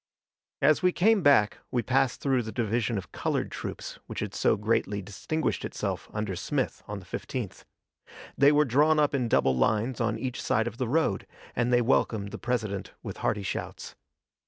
As we came back we passed through the division of colored troops which had so greatly distinguished itself under Smith on the 15th. They were drawn up in double lines on each side of the road, and they welcomed the President with hearty shouts.